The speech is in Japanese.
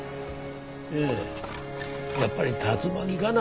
ええやっぱり竜巻がな。